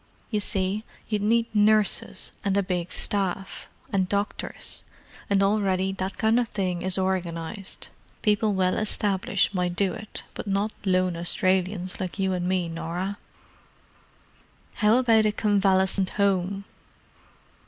You see you'd need nurses and a big staff, and doctors; and already that kind of thing is organized. People well established might do it, but not lone Australians like you and me, Norah." "How about a convalescent home?"